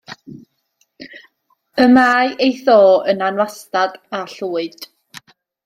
Y mae ei tho yn anwastad a llwyd.